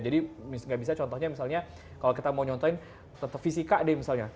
jadi nggak bisa contohnya misalnya kalau kita mau nyontohin fisika deh misalnya